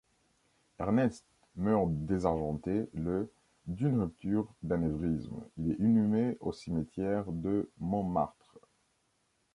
Ernest meurt désargenté le d'une rupture d'anévrisme, il est inhumé au cimetière de Montmartre.